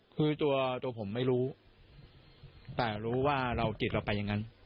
คือตัวผมไม่รู้แต่รู้ว่าเราจิตเราไปอย่างนั้น